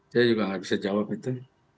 saya juga nggak bisa jawab itu